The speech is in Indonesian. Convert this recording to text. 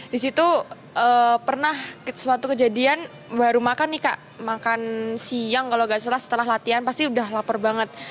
di situ pernah suatu kejadian baru makan nih kak makan siang kalau nggak salah setelah latihan pasti udah lapar banget